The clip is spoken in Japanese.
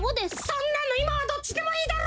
そんなのいまはどっちでもいいだろ！